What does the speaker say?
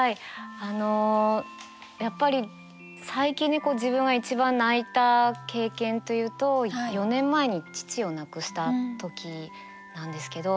あのやっぱり最近で自分が一番泣いた経験というと４年前に父を亡くした時なんですけど。